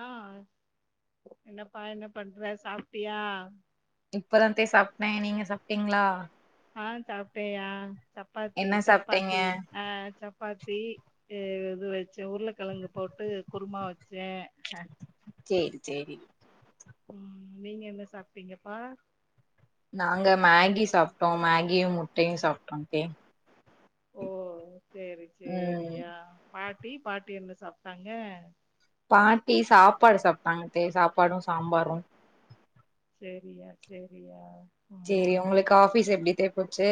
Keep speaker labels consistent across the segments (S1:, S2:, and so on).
S1: ஆ என்னப்பா என்ன பண்ற சாப்டயா
S2: இப்பதா தே சாப்டே நீங்க சாப்டீங்ளா
S1: ஆ சாப்டேயா சப்பாத்தி
S2: என்ன சாப்ட்டீங்க
S1: சப்பாத்தி ஆ சப்பாத்தி இது வச்சே உருளக்கெழங்கு போட்டு குருமா வச்சே ஹ
S2: சேரி செரி
S1: உம் நீங்க என்ன சாப்டீங்கப்பா
S2: நாங்க மேகி சாப்டோ மேகியு முட்டயு சாப்டோ கே
S1: ஓ சேரி சேரி
S2: ம்
S1: ஆ பாட்டி பாட்டி என்ன சாப்டாங்க
S2: பாட்டி சாப்பாடு சாப்டாங்க தே சாப்பாடு சாம்பாரு
S1: சேரியா சேரியா
S2: சேரி
S1: ம்
S2: உங்களுக்கு ஆபீஸ் எப்டித்தே போச்சு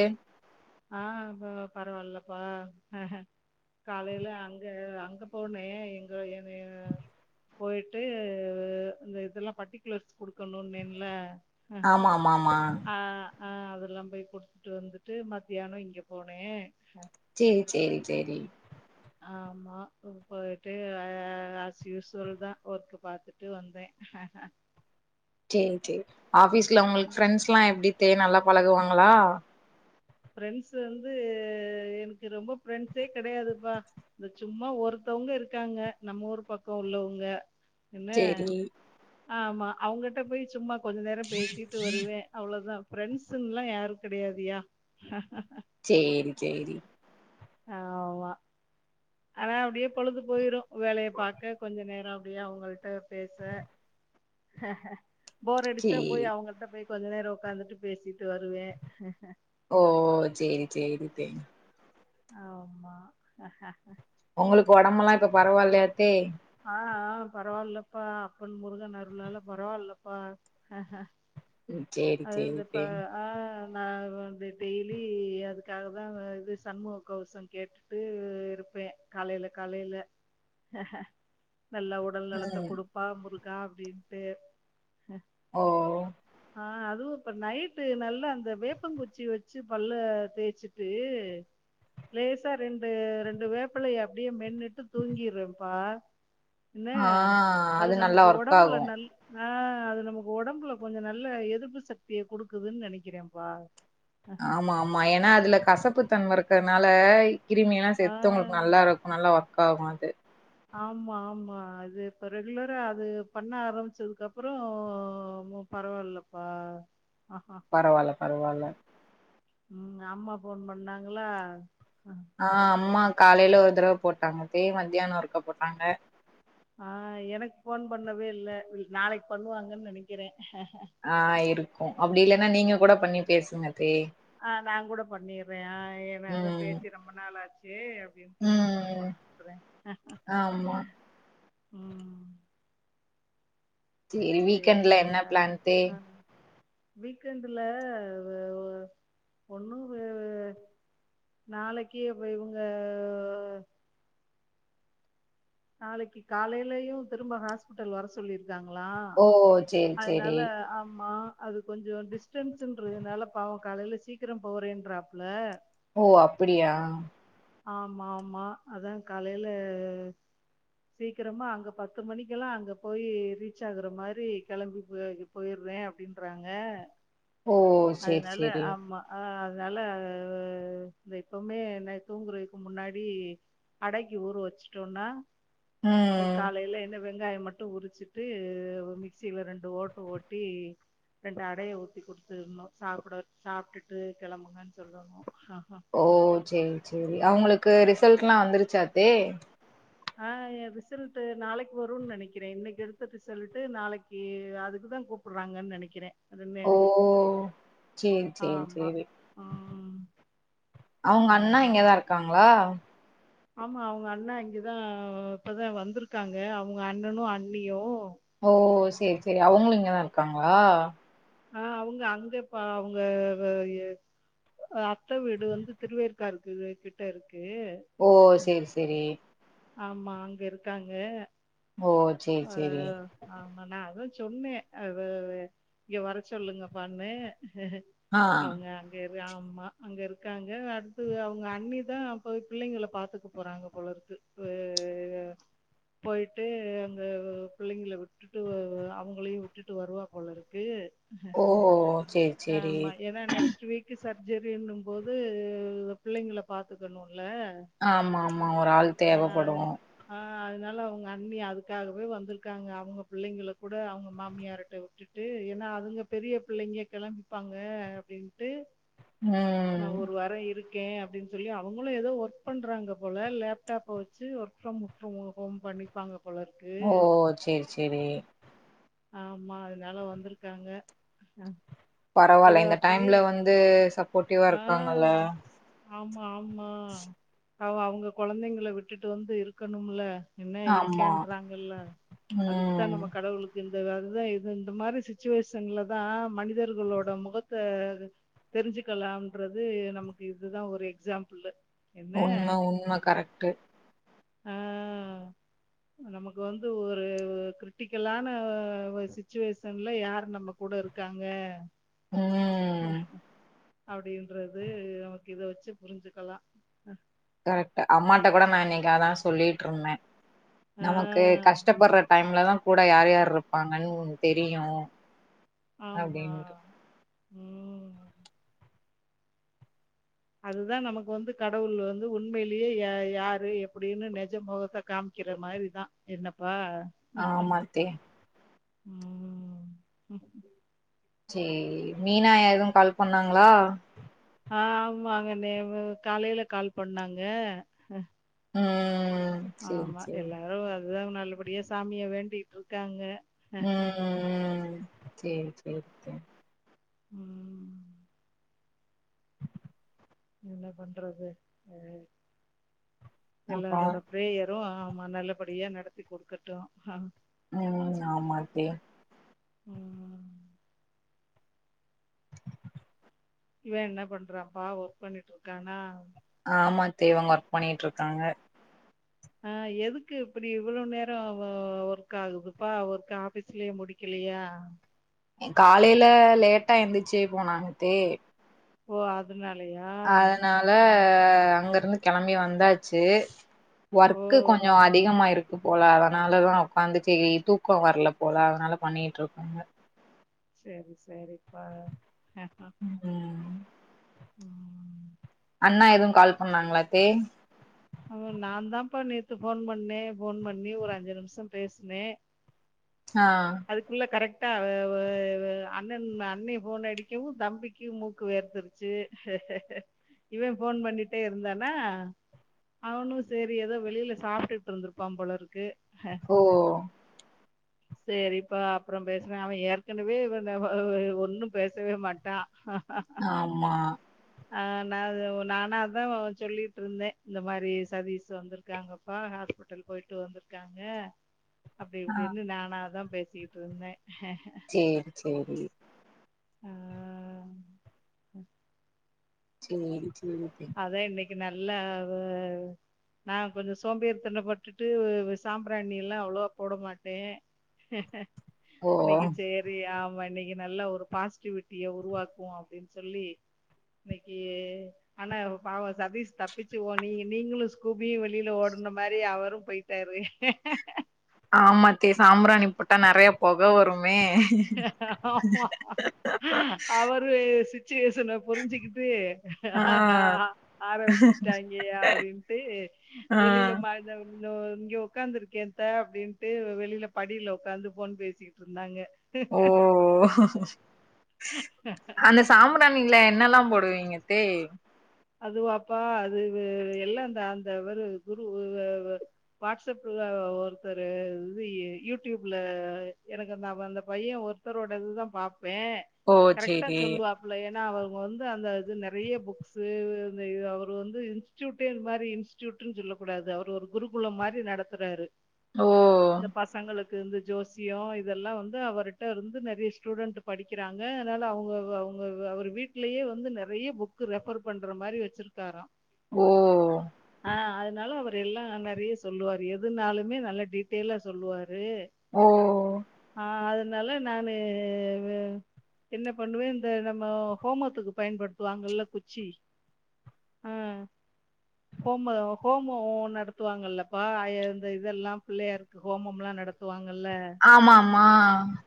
S1: ஆ பரவால்லப்பா அ காலையில அங்க அங்க போனே எங்க என்னைய போயிட்டு இந்த இதெல்லா பர்ட்டிகுலர்ஸ் குடுக்கணு இன்னேன்ல
S2: ஆம மா மா
S1: ஆ அதெல்லா போய் குடுத்துட்டு வந்துட்டு மத்தியானோ இங்க போனே
S2: சேரி சேரி சேரி
S1: ஆமா போயிட்டு அஸ்யூசல் தா ஒர்க்க பாத்துட்டு வந்தே
S2: சேர் சேர் ஆபீஸ்ல உங்ளுக்கு ஃரெண்ட்ஸ் ல்லா எப்டி தே நல்லா பழகுவாங்களா
S1: ப்ரெண்ட்ஸ் வந்து எனக்கு ரொம்ப ஃப்ரெண்ட்ஸே கெடயாதுப்பா இந்த சும்மா ஒருத்தவுங்க இருக்காங்க நம்ம ஊர் பக்கோ உள்ளவுங்க என்ன
S2: சேரி
S1: ஆமா அவங்கிட்ட போய் சும்மா கொஞ்ச நேரம் பேசிட்டு வருவே அவ்ளோதா ஃப்ரெண்ஸுன்லா யாரு கெடயாதுயா
S2: சேரி சேரி
S1: ஆமா ஆனா அப்டியே பொழுது போயிரு வேலைய பாக்க கொஞ்ச நேரோ அப்டியே அவுங்கள்ட்ட பேச போர் அடிச்சா போய்
S2: சேரி
S1: அவுங்கள்ட்ட போய் கொஞ்ச நேரோ ஒக்காந்துட்டு பேசிட்டு வருவே
S2: ஓ சேரி சேரி தே
S1: ஆமா
S2: ஒங்களுக் ஒடம்புலா இப்ப பரவால்லயாத்தே
S1: ஆ ஆ பரவால்லப்பா அப்பன் முருகன் அருளால பரவால்லப்பா ஆஹ
S2: ம் சேரி
S1: அது
S2: சேரி
S1: தப்பு
S2: தே
S1: ஆ நா வந்து டெய்லி அதுக்காக தா இது சண்முக கவுசோ கேட் டு இருப்பே காலைல காலைல நல்லா உடல் நலத்த
S2: ம்
S1: குடுப்பா முருகா அப்டின்ட்டு
S2: ஓ
S1: ஆ அதுவு இப்ப நைட்டு நல்லா அந்த வேப்பங்குச்சி வச்சு பல்ல தேய்ச்சுட்டு லேசா ரெண்டு ரெண்டு வேப்பலைய அப்டியே மென்னுட்டு தூங்கிறப்பா என்ன
S2: ஆ
S1: அது
S2: நல்லா
S1: நமக்கு
S2: ஒர்க்
S1: ஒடம்புல
S2: ஆகு
S1: நல் ஆ அது நமக்கு ஒடம்புல கொஞ்ச நல்ல எதிர்ப்பு சக்திய குடுக்குதுன்னு நெனைக்கிறப்பா
S2: ஆமா ஆமா ஏன்னா அதுல கசப்பு தன்ம இருக்கறனால கிருமியெல்லா
S1: ஆ
S2: சேத்து உங்களுக்கு நல்லா இருக் நல்லா ஒர்க் ஆகு அது
S1: ஆமா ஆமா அது இப்ப ரெகுலரா அது பண்ண ஆரம்பிச்சதுக்கு அப்பறோ பரவாயில்லப்பா ஆ
S2: பரவால பரவால
S1: ம் அம்மா ஃபோன் பண்ணாங்களா
S2: ஆ அம்மா காலயில ஒரு தடவ போட்டாங்கத்தே மத்தியான ஒருக்க போட்டாங்க
S1: ஆ எனக்கு ஃபோன் பண்ணவே இல்ல நாளைக்கு பண்ணுவாங்கன்னு நனைக்கிறே
S2: ஆ இருக்கு அப்டி இல்லன்னா நீங்க கூட பண்ணி பேசுங்கத்தே
S1: ஆ நா கூட பண்ணிடுறே ஆ ஏனா அதா
S2: ம்
S1: பேசி ரொம்ப நாள் ஆச்சு அப்டின்ட்டு நா கூட
S2: ம்
S1: போண்ணறே
S2: ஆமா
S1: ம்
S2: சேரி வீக்கெண்ட்ல என்ன
S1: சேரியா
S2: ப்ளான்த்தே
S1: ஆ வீக்கெண்டுல வ வ ஒன்னு வ வ நாளைக்கு அப்ப இவுங்க நாளைக்கு காலையிலயு திரும்ப ஹாஸ்பி ட்டல் வர சொல்லி இருக்காங்களா
S2: ஓ சேரி சேரி
S1: அதனால ஆமா அது கொஞ்சோ டிஸ்டன்ஸுன்றதுனால பாவோ காலயில சீக்கிரோ போறேன்றாப்புல
S2: ஓ அப்பிடியா
S1: ஆமா ஆமா அதா காலயில சீக்கரமா அங்க பத்து மணிக்கெல்லா அங்க போய் ரீச் ஆகுற மாரி கெளம்பி போய் போயிடுறே அப்டின்றாங்க
S2: ஓ சேரி
S1: அதனால
S2: சேரி
S1: ஆமா ஆ அதனால் அ இந்த இப்பவுமே நை தூங்குறதுக்கு முன்னாடி அடைக்கி ஊர வச்சுட்டோனா
S2: ம்
S1: அது காலயில என்ன வெங்காய மட்டு உரிச்சிட்டு மிக்சியில ரெண்டு ஓட்டு ஓட்டி ரெண்டு அடைய ஊத்தி குடுத்துருணு சாப்பட சாப்ட்டுட்டு கெளம்புங்கன்னு சொல்லணு
S2: ஓ சரி சரி அவங்களுக்கு
S1: ஆமா
S2: ரிசல்ட்ல்லா வந்துருச்சா இப்பே
S1: ஆ ரிசல்ட்டு நாளைக்கு வரும்னு நெனைக்கிறே இன்னைக்கு எடுத்த ரிசல்ட்டு நாளைக்கு அதுக்குதா கு ப்புறாங்கன்னு நெனைக்கிறே அதுன்னு
S2: ஓ! சேரி, சேரி,
S1: ஆமா
S2: சேரி.
S1: ஆம்
S2: அவங்க அண்ணா இங்கதா இருக்காங்களா
S1: ஆமா அவங்க அண்ணா இங்கதா இப்பதா வந்திருக்காங்க அவங்க அண்ணனு அண்ணியு
S2: ஓ சரி சரி அவங்களு இங்கதா இருக்காங்களா
S1: ஆ அவங்க அங்கப்பா அவங்க வ எ அத்தை வீடு வந்து திருவேர்காடு கிட்ட இருக்கு
S2: ஓ சரி சரி
S1: ஆமா அங்க இருக்காங்க
S2: ஓ சரி
S1: அ
S2: சரி
S1: ஆமா நா அதா சொன்னே அ இங்க வர சொல்லுங்கப்பாண்ணு
S2: ஆ.
S1: அவுங்க ஆமா அங்க இருக்காங்க அடுத்து அவங்க அண்ணிதா அப்ப பிள்ளைங்க பாத்துக்கு போறாங்க போல இருக்கு ஆ போயிட்டு வா பிள்ளைங்க விட்டுட்டு வ அவங்களையு விட்டுட்டு வருவா போலருக்கு
S2: ஓ! சேரி, சேரி.
S1: ஆமா ஏதா நெக்ஸ்ட் வீக் சர்ஜரினும் போது பிள்ளைங்கள பாத்துக்கணும்ல
S2: ஆமா ஆமா ஒரு ஆள் தேவைப்படு
S1: ஆ அதனால அவங்க அண்ணி அது க்காகவே வந்திருக்காங்க அவங்க பிள்ளைங்கள கூட அவங்க மாமியாரிட்ட விட்டுட்டு ஏனா அதுங்க பெரிய பிள்ளைங்க கெளம்பிப்பாங்க அப்படின்ட்டு
S2: ம்.
S1: நா ஒரு வார இருக் கே அப்படின்னு சொல்லி அவங்களு ஏதோ ஒர்க் பண்றாங்க போல லேப்டாப் வச்சு ஒர்க் ப்ரம் ரம் ஹோம் பண்ணி ருப்பாங்க போலருக்
S2: ஓ சரி சரி
S1: ஆமா அதனால வந்திருக்காங்க அ
S2: பரவால்ல இந்த டைம்ல வந்து சப்போடிவ்வா
S1: ஆ
S2: இருக்காங்கல்ல
S1: ஆமா ஆமா
S2: [inaudible]
S1: அவ அவங்க கொழந்தைங்க விட்டுட்டு வந்து இருக்கணும்ல என்ன
S2: ஆமா.
S1: இருக்கேன்றாங்கல்ல அதுக்கு தா
S2: ம்.
S1: நம்ம கடவுளுக் இந்த அதுதா இது இந்த மாரி சிச்சுவேஷன்ல தா மனிதர்களோ ட முகத்தை தெரிஞ்சுக்கலாம்ன்றது நமக்கு இதுதா ஒரு எக்ஸாம்பிள்ளு
S2: உண்ம உண்ம கரெக்ட்டு
S1: ஆ நமக்கு வந்து ஒரு கிரிட்டிக்கலான சிச்சுவேஷன்ல யார் நமக்கு கூட இருக்காங்க
S2: ம்
S1: அப்படின்றது நமக்கு இத வச்சு புரிஞ்சுக்கலா
S2: கரெக்ட் அம்மாட்டிட்ட கூட நா இன்னைக்கு அதா சொல்லிட்ருந்தே
S1: ஆ
S2: நமக்கு கஷ்டப்படுற டைம்லதா கூட யார் யார் இருப்பாங்கன்னு தெரியு
S1: ஆமா
S2: அப்டின்ட்டு
S1: ம் அதுதா நமக்கு வந்து கடவுள் வந்து உண்மையிலேயே யா யாரு எப்படின்னு நெஜம் போக காம் வக்கிற மாதிரிதா என்னப்பா
S2: ஆ மத்தே
S1: ம்
S2: சேரி மீனா எதும் கால் பண்ணாங்களா
S1: ஆ ஆமாங்க நே காலையில கால் பண்ணாங்க
S2: ம் சேரி
S1: ஆமா
S2: சேரி
S1: எல்லாரும் அதுதான் நல்லபடியா சாமியா வேண்டிட்டு இருக்காங்க
S2: ம் ம் ம் சேரி சேரி சேரி
S1: ம் என்ன பண்றது அ
S2: அப்றோ
S1: எல்லாரோட ப்ரேயரும் ஆமா நல்லபடியா நடத்தி கொடுக்கட்டும் அ
S2: ம் ஆமாத்தே
S1: ம் இவன் என்ன பண்றான்ப்பா ஒர்க் பண்ணிட்டு இருக்கானா
S2: ஆமாத்தே இவுங்க ஒர்க் பண்ணிட்டு இருக்காங்க
S1: ஆ எதுக்கு இப்டி இவ்வளோவு நேரோம் ஒர்க் ஆகுதுபா ஒர்க் ஆபீஸ்லயே முடி கில்லியா
S2: காலைல லேட்டா எந்துச்சு போனாங்கத்தே
S1: ஓ அதனாலயா
S2: அதால
S1: ம்
S2: அங்க இருந்து களம்பி வந்தாச்சு
S1: ஓ
S2: ஒர்க்கு கொஞ்சோம் அதிகமா இருக்கு போல அதனாலதான் உக்காந்துச்சே தூக்கோம் வரல போல அதனால பண்ணிட்டு இருக்காங்க
S1: செரி செரிப்பா ம்
S2: ம் அண்ணா எதுவும் கால் பண்ணாங்களா த்தே
S1: ஆமா நான் தான்ப்பா நேத்து ஃபோன் பண்ணேன் ஃபோன் பண்ணி ஒரு அஞ்சு நிமிஷோம் பேசுனே
S2: ஆ
S1: அதுக்குள்ளே கரெக்டாக அண்ணன் அண்ணே ஃபோன் அடிக்கவும் தம்பிக்கு மூக்கு வேர்த்துருச் இவன் ஃபோன் பண்ணிட்டே இருந்தானா அவனும் செரி ஏதோ வெளில சாப்ட்ட்டு இருந்திருப்பான் போலருக்கு
S2: ஓ
S1: செரிப்பா அப்பறோம் பேசுறேன் அவன் ஏற்கனவே இவன ஒன்னும் பேசவே மாட்டான்
S2: ஆமா
S1: ஆ நா அது நானா அதான் சொல்லிட்டு இருந்தேன் இந்த மாரி சதீஷ் வந்துருக்காங்க அப்பா ஹாஸ்பிட்டல் போயிட்டு வந்துருக்காங்க அப்டி
S2: ஆ
S1: இப்டின் நான தான் பேசிக்கிட்டு இருந்தேன்
S2: சேரி செரி
S1: அ
S2: சேரி சேரி த்தே
S1: அதேன் இன்னைக்கி நல்லா அது நான் கொஞ்சோம் சோம்பேறித்தனம்பட்டுட்டு சாம்பிராணி எல்லாம் அவ்வளவா போட மாட்டேன்
S2: ஓ
S1: இன்னைக்கு சேர் ரி ஆமா இன்னைக்கு நல்லா ஒரு பாஸ்சிட்டிவிட்டிய உருவாக்குவோ அப்டின்னு சொல்லி இன்னைக்கி ஆனா பாவோம் சதீஷ் தப்பிச்சு ஓ நீ நீங்களும் ஸ்கூபியும் வெளியில ஓடுன மாரி அவரும் போயி ட்டாரு
S2: ஆமாத்தே சாம்புராணி போட்டா நறைய பொக வரும் மே
S1: ஆமா அவரு சுச்சுவேஷன புரிஞ்சுக்கிட்டு
S2: ஆ
S1: ஆரம்பிச்சுட்டாங்கயா அப்டின்ட்டு
S2: ஆ
S1: வெளியில ம [unintelligible] இங்க உக்காந்துருக்கே த அப்டின்ட்டு வெளியில படியில உக்காந்து ஃபோன் பேசி ட்ருந்தாங்க
S2: ஓ அந்த சாம்பிராணில என்னல்லா போடுவீங்கத்தே
S1: அதுவாப்பா அது எல்லாந்த அந்த ஒரு [unintelligible] வாட்ஸ்அப்ல ஒருத்தர் இது யூடியூப்ல எனக்கு ந அந்த பைய ஒரு த்தரோட இதுதா பாப்பே
S2: ஓ
S1: கரெக்டா
S2: சேரி
S1: சொல்லுவாப்ல ஏன்னா அவுங்க வந்து அந்த இது நெறைய புக்ஸ் அவர் வந்து இன்ஸ்டியூட் இதுமாரி இன்ஸ்டியூட்னு சொல்லக்கூடாது அவர் ஒரு குருகுலம் மாரி நடத் றாரு
S2: ஓ
S1: இந்த பசங்களுக்கு இந்த ஜோசியோ இதெல்லா வந்து அவர்கிட்ட இருந்து நெறைய ஸ்டூடெண்ட்டு படிக்கிறாங்க அதனால அவங்க அவங்க அவர் வீட்லேயே வந்து நெறைய புக் ரெஃபர் பண்ற மாரி வச்சுருக்காரா
S2: ஓ
S1: ஆ அதனால அவரு எல்லா நெறைய சொல்லுவாரு எதுனாலுமே நல்லா டீட்டெய்ல்லா சொல்லுவாரு
S2: ஓ
S1: ஆ அதனால நானு என்ன பண்ணுவே இந்த நம்ம ஹோமத்துக்கு பயன்படுத்துவாங்கல்ல குச்சி அ ஹோம ஹோமோ நடத்துவாங்கல்லப்பா அய இந்த இதெல்லாம பிள்ளையாரு ஹோமம் எல்லா நடத் வாங்கல்ல
S2: ஆமா ஆமா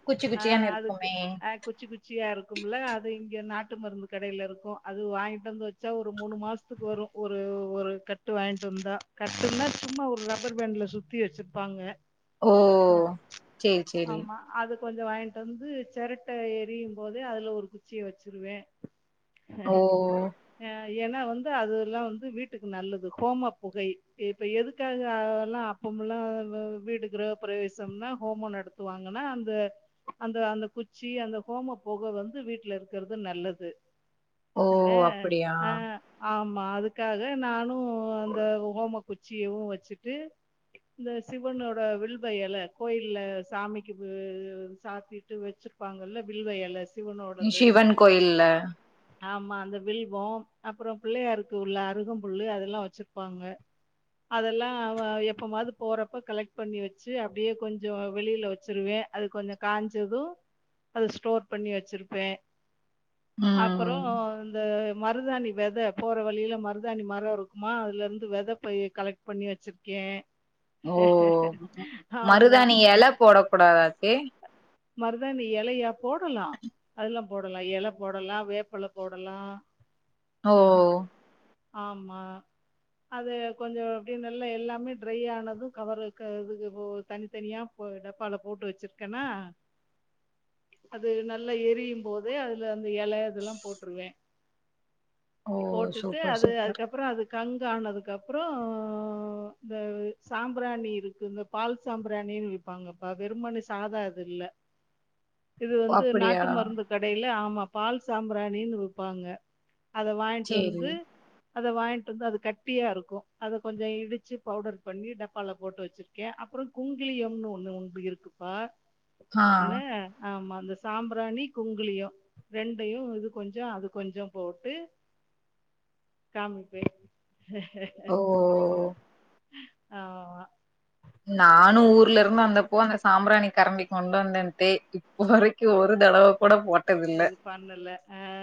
S2: குச்சி குச்சியா
S1: அதுக்கு
S2: நெருக்குமே
S1: ஆ குச்சி குச்சியா இருக்கும்ல அது இங்க நாட்டு மருந்து கடைல இருக்கு அது வாங்கிட்டு வந்து வச் ச ஒரு மூணு மாசத்துக்கு வரு ஒரு ஒரு கட்டு வாங்ட்டு வந்தா கட்டுனா சும்மா ஒரு ரப்பர் பேண்ட்ல சுத் சுத்தி வச்சிருப்பாங்க
S2: ஓ
S1: அ
S2: சேரி சேரி
S1: ஆமா அது கொஞ்ச வாங்ட்டு வந்து செரட்ட எரியும் போதே அதுல ஒரு குச்சிய வச்சிருவ ஹ ஹ
S2: ஓ
S1: ஹ ஏன்னா வந்து அதுல்லா வந்து வீட்டுக்கு நல்லது ஹோம புகை இப்ப எதுக்காக அதெல்லா அப்பம்ல்லா வீடு கிரக பிரவேசம்னா ஹோமோ நடத் துவாங்கன்னா அந்த அந்த அந்த குச்சி அந்த ஹோம புக வந்து வீட்ல இருக்கிறது நல்லது
S2: ஓ
S1: ல
S2: அப்படியா
S1: ஆமா அதுக்காக நானு அந்த ஹோம குச்சியவு வச்சுட்டு இந்த சிவனோட வில்வ எல கோயில்ல சாமிக்கு சாத்திட்டு வச்சிரு இருப்பாங்கல்ல வில்வ இலை சிவனோடது
S2: சிவன் கோயில்ல
S1: அப்றோ பிள்ளையாருக்கு உள்ள அருகம் புல்லு அதெல்லா வச்சிருப்பாங்க அதெல்லா எப்பமாது போறப்ப கலெக்ட் பண்ணி வச்சு அப்டே கொஞ்சோ வெளியில வச்சிருவே அது கொஞ்சோ காஞ்சதூ அத ஸ்டோர் பண்ணி வச்சிருப்பே அப்றோ
S2: ம்
S1: இந்த மருதணி வெத போற வழியில மருதாணி மரோ இருக்குமா அதுல இருந்து வெத போய் கலெக்ட் பண்ணி வச்சுயிருக்கே
S2: ஓ
S1: ஆமா
S2: மருதாணி இல போட கூடாதா ஆர்த்தி
S1: மருதானி இலயா போடலா அதெல்லா போடலா இல போடல வேப்பல போடலா
S2: ஓ
S1: ஆமா அது கொஞ்சோ அப்டினுல்ல எல்லாமே ட்ரை ஆனது கவர்ரு இதுக்கு தனித்தனியா ஒரு டப்பால போட்டு வச்சிருக்கேனா அது நல்லா எரியு போது அதுல அந்த இல இதெல்லா போட்டுருவே
S2: ஓ
S1: போட்டுட்டு
S2: சூப்பர்
S1: அது
S2: சூப்பர்
S1: அதுக்கப்றோ அது கங் ஆனதுக்கு அப்றோ இந்த சாம்பிராணி இருக்கு பால் சாம்பிராணினு விப்பாங்கப்பா வெறுபு சாத இது இல்ல இது வந்து
S2: அப்படியா
S1: நாட்டு மருந்து கடையில ஆமா பால் சாம்பிராணினு விப்பாங்க அத வாங்கிட்டு
S2: சேரி
S1: வந்து அத வாங்கிட்டு வந்து அது கட்டியா இருக்கு அத கொஞ்சோ இடிச்சு பவுடர் பண்ணி டப்பால போட்டு வச்சிரு க்கே அப்றோ குங்கிலியம்னு ஒண்ணு உண்டு இருக்குப்பா
S2: ஆ
S1: என்ன ஆமா அந்த சாம்பிராணி குங்கிலியு ரெண்டையு இது கொஞ்சோ அது கொஞ்சோ போட் டு காமிப்ப
S2: ஓ ஓ
S1: ஆமா
S2: நானு ஊர்ல இருந்து வந்தப்போ அந்த சாம்பராணி கரண்டி கொண்டு வந்தே இது வரைக்கு ஒரு தடவ கூட போட்
S1: அது பண்ணலா அ